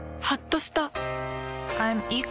はっとした。